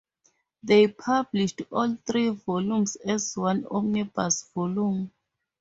They published all three volumes as one omnibus volume.